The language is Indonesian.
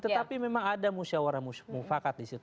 tetapi memang ada musyawarah mufakat disitu